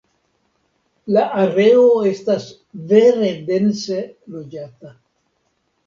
La areo estas vere dense loĝata.